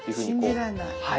信じられない。